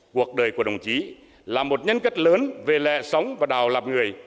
cuộc đời của đồng chí là một nhân cách lớn về lè sống và đào lập người